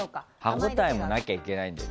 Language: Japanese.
歯応えもなきゃダメなんだよ。